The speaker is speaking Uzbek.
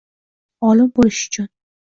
Olim bo‘lish uchun